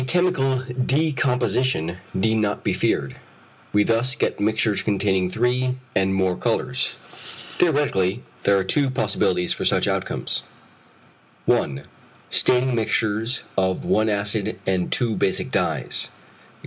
A chemical decomposition need not be feared. We thus get mixtures containing three and more colours. Theoretically there are two possibilities for such combinations: 1. Staining mixtures of 1 acid and 2 basic dyes, _e.g.